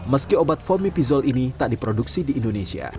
meski obat fomipizol ini tak diproduksi di indonesia